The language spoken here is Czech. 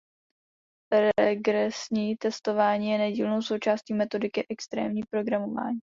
Regresní testování je nedílnou součástí metodiky extrémní programování.